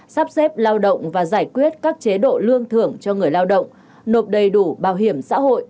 sắp xếp lao động và giải quyết các chế độ lương thưởng cho người lao động nộp đầy đủ bảo hiểm xã hội